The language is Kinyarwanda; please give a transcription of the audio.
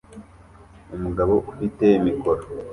Umugabo ufite mikoro